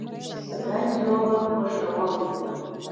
زه شطرنج لوبه خوښوم